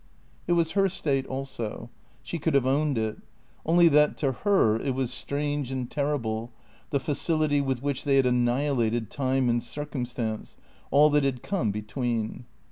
It was her state, also. She could have owned it. Only that to her it was strange and terrible, the facility with which they had annihilated time and circumstance, all that had come be tween.